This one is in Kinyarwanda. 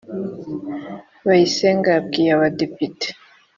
bayisenge yabwiye abadepite